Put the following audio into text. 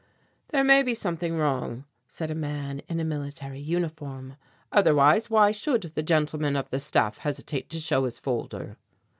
"There may be something wrong," said a man in a military uniform, "otherwise why should the gentleman of the staff hesitate to show his folder?"